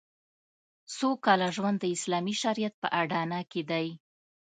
سوکاله ژوند د اسلامي شریعت په اډانه کې دی